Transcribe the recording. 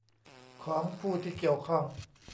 ของผู้ที่เกี่ยวข้อง